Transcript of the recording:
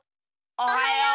おはよう！